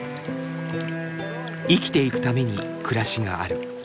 生きていくために暮らしがある。